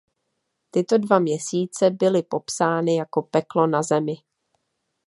Tyto dva měsíce byly popsány jako peklo na zemi.